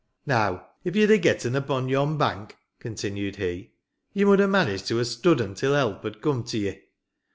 ..... Now, if ye'd ha' getten upo' yon bank," continued he, " ye mud ha' managed to ha' studden till help had come to ye.